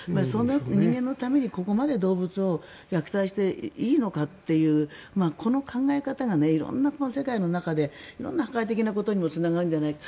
人間のために、ここまで動物を虐待していいのかというこの考え方が色んな世界の中で色んな破壊的なことにもつながるんじゃないか。